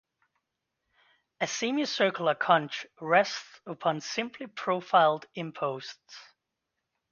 A semicircular conch rests upon simply profiled imposts.